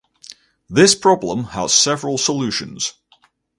This problem has several solutions.